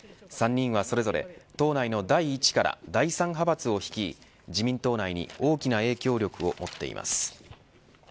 ３人はそれぞれ、党内の第１から第３派閥を率い自民党内に大きな営業力をもっています。